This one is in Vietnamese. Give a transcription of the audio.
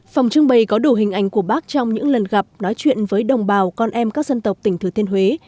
phòng trưng bày có đủ hình ảnh của bác trong những lần gặp nói chuyện với đồng bào con em các dân tộc tỉnh thừa thiên huế